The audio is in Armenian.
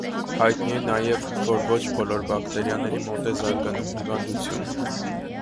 Հայտնի է նաև, որ ոչ բոլոր բակտերիակիրների մոտ է զարգանում հիվանդություն։